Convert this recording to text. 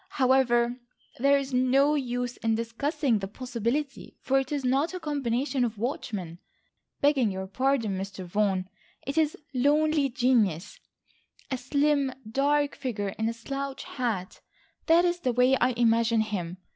However, there is no use in discussing the possibility, for it is not a combination of watchmen, begging your pardon, Mr. Vaughan. It is lonely genius, a slim, dark figure in a slouch hat. That is the way I imagine him.